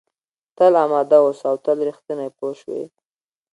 تل اماده اوسه او تل رښتینی پوه شوې!.